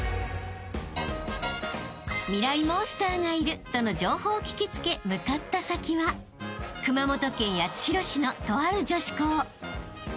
モンスターがいるとの情報を聞き付け向かった先は熊本県八代市のとある女子校］